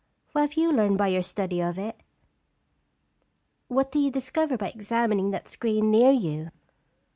" What have you learned by your study of it?" "What do you discover by examining that screen near you?"